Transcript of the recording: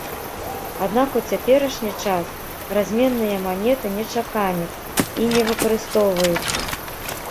Аднак у цяперашні час разменныя манеты не чаканяць і не выкарыстоўваюцца.